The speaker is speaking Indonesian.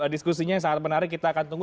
diskusinya yang sangat menarik kita akan tunggu